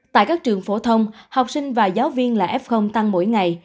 tại các trường phổ thông học sinh và giáo viên là f tăng mỗi ngày